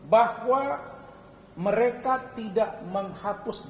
bahwa mereka tidak menghapus